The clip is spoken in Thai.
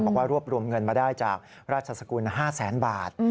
บอกว่ารวบรวมเงินมาได้จากราชสกุล๕แสนบาท